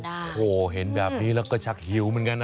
โอ้โหเห็นแบบนี้แล้วก็ชักหิวเหมือนกันนะ